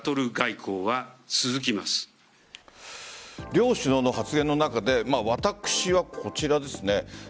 両首脳の発言の中で私はこちらですね